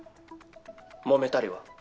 もめたりは？